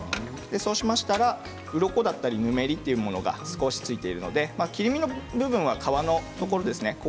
そうしたら、うろこやぬめりというものが少しついているので切り身の部分は皮のところですね。